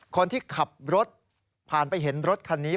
คนที่ขับรถผ่านไปเห็นรถคันนี้